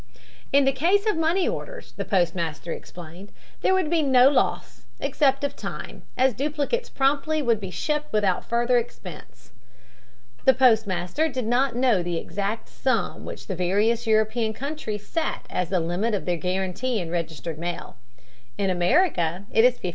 In the case of money orders, the postmaster explained, there would be no loss, except of time, as duplicates promptly would be shipped without further expense. The postmaster did not know the exact sum which the various European countries set as the limit of their guarantee in registered mail. In America it is $50.